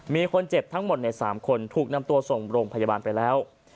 มีคนเจ็บทั้งหมดใน๓คนถูกนำตัวส่งโรงพยาบาลไปแล้ว